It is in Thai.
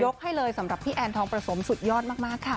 ให้เลยสำหรับพี่แอนทองประสมสุดยอดมากค่ะ